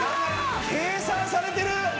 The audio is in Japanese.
計算されてる。